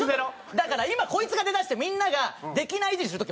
だから今こいつが出だしてみんなができないイジりする時